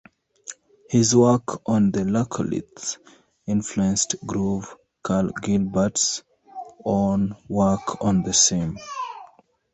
His work on the laccolith influenced Grove Karl Gilbert's own work on the same.